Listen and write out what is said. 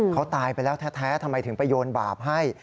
เขาตายไปแล้วแท้ทำไมถึงไปโยนบาปให้